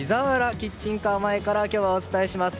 キッチンカー前から今日はお伝えします。